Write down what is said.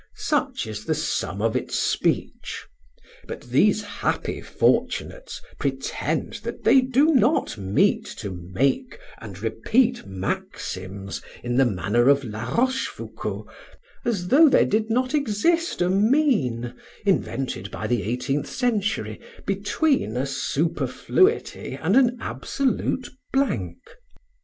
Such is the sum of its speech; but these happy fortunates pretend that they do not meet to make and repeat maxims in the manner of La Rochefoucauld as though there did not exist a mean, invented by the eighteenth century, between a superfluity and absolute blank.